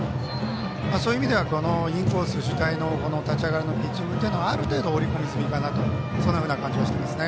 そういう意味ではインコース主体の立ち上がりのピッチングはある程度、織り込み済みかなという感じはしていますね。